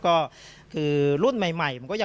คุณผู้ชมฟังช่างปอลเล่าคุณผู้ชมฟังช่างปอลเล่า